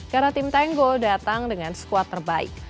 karena tim tango datang dengan skuad terbaik